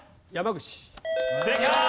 正解！